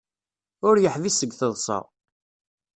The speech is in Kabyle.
Ur yeḥbis seg teḍsa.